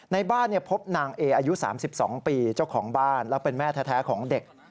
ในบ้านพบนางเออายุ๓๒ปีเจ้าของบ้านแล้วเป็นแม่แท้ของเด็ก